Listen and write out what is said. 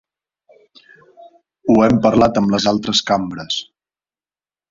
Ho hem parlat amb les altres cambres.